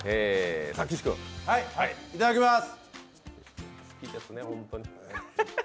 いただきます！